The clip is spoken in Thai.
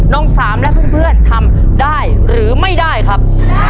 น้องสามและเพื่อนทำได้หรือไม่ได้ครับ